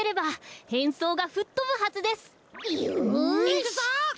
いくぞ！